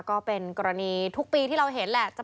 ก็เป็นกรณีทุกปีที่เราเห็นแหละ